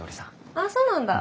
あっそうなんだ。